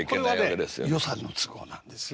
これはね予算の都合なんですよ。